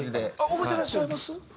覚えてらっしゃいます？